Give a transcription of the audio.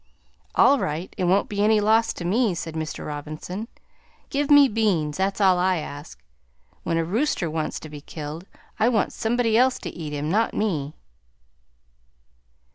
"All right; it won't be any loss to me," said Mr. Robinson. "Give me beans, that's all I ask. When a rooster wants to be killed, I want somebody else to eat him, not me!"